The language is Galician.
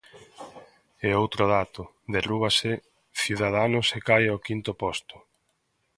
E outro dato: derrúbase Ciudadanos e cae ao quinto posto.